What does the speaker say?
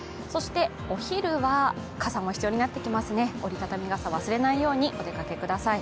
お昼は傘も必要になってきますね、折り畳み傘を忘れないようにお出かけください。